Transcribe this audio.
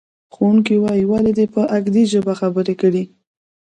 ښوونکی وایي، ولې دې په اکدي ژبه خبرې کړې؟